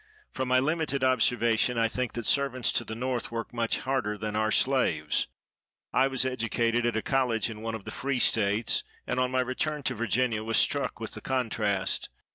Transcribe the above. From my limited observation, I think that servants to the North work much harder than our slaves. I was educated at a college in one of the free states, and, on my return to Virginia, was struck with the contrast.